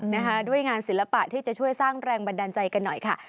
นะคะด้วยงานศิลปะที่จะช่วยสร้างแรงบันดาลใจกันหน่อยค่ะ